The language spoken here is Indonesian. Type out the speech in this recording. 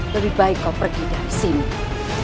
lebih baik kau pergi dari sini